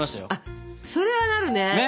それはなるね。